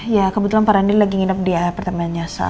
ya kebetulan pak rendy lagi nginep di apartemennya sal